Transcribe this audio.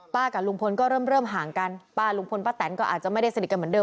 กับลุงพลก็เริ่มเริ่มห่างกันป้าลุงพลป้าแตนก็อาจจะไม่ได้สนิทกันเหมือนเดิ